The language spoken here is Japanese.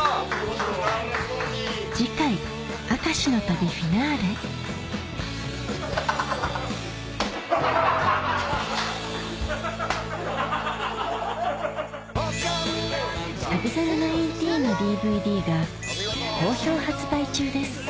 『旅猿１９』のＤＶＤが好評発売中です